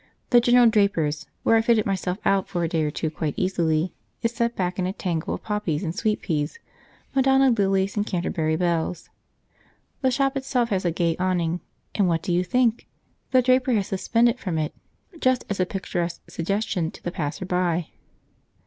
The general draper's, where I fitted myself out for a day or two quite easily, is set back in a tangle of poppies and sweet peas, Madonna lilies and Canterbury bells. The shop itself has a gay awning, and what do you think the draper has suspended from it, just as a picturesque suggestion to the passer by?